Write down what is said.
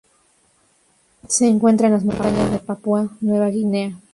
Se encuentra en las montañas de Papúa Nueva Guinea.